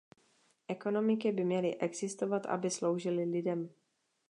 Ekonomiky by měly existovat, aby sloužily lidem.